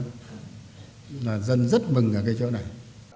phòng chống tham nhũng là dân rất mừng ở cái chỗ này